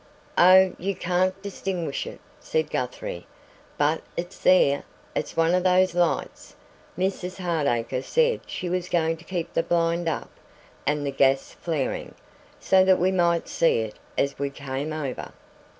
"Oh, you can't distinguish it," said Guthrie, "but it's there it's one of those lights; Mrs Hardacre said she was going to keep the blind up and the gas flaring, so that we might see it as we came over."